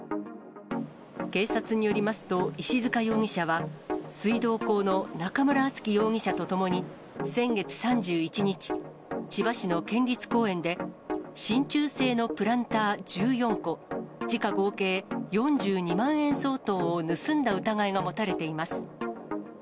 警察によりますと、石塚容疑者は、水道工の中村敦貴容疑者と共に、先月３１日、千葉市の県立公園で、しんちゅう製のプランター１４個、時価合計４２万円相当を盗んだ疑いが持たれています。